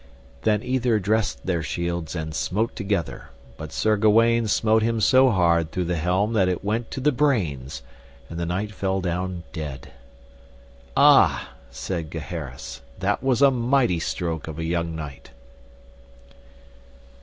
Then either dressed their shields and smote together, but Sir Gawaine smote him so hard through the helm that it went to the brains, and the knight fell down dead. Ah! said Gaheris, that was a mighty stroke of a young knight.